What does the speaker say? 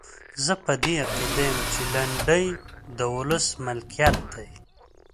زه په دې عقیده یم چې لنډۍ د ولس ملکیت دی.